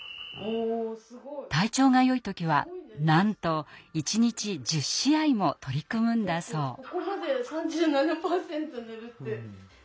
体調がよい時はなんと一日１０試合も取り組むんだそう。